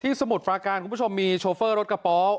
ที่สมุดฟ้ากลางคุณผู้ชมมีโชเฟอร์รถกระป๋อ